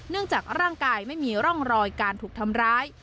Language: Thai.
จากร่างกายไม่มีร่องรอยการถูกทำร้าย